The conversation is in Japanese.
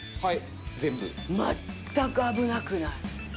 全く危なくない。